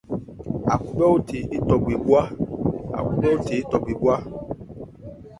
Ákhúbhɛ́óthe étɔ bhwe bhwá.